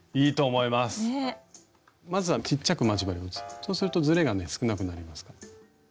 そうするとずれがね少なくなりますから。